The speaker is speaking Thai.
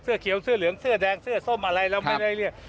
เขียวเสื้อเหลืองเสื้อแดงเสื้อส้มอะไรเราไม่ได้เรียก